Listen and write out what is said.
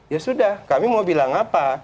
ya sudah kami mau bilang apa